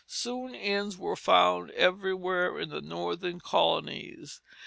Soon inns were found everywhere in the Northern colonies.